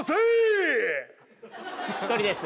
１人です。